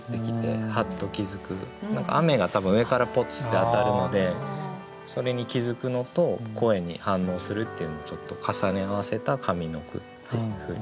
何か雨が多分上からポツッて当たるのでそれに気付くのと声に反応するっていうのをちょっと重ね合わせた上の句っていうふうにしてみました。